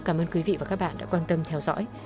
cảm ơn quý vị và các bạn đã quan tâm theo dõi